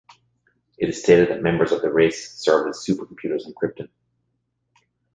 It is stated that members of the race served as supercomputers on Krypton.